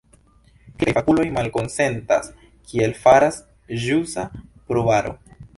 Kelkaj fakuloj malkonsentas, kiel faras ĵusa pruvaro.